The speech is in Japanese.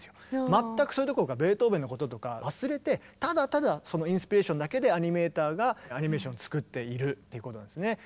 まったくそういうところがベートーベンのこととか忘れてただただそのインスピレーションだけでアニメーターがアニメーションを作っているっていうことなんですね。